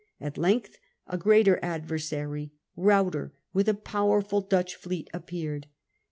At length agreater adversary, Ruyter, with a powerful Dutch fleet, appeared.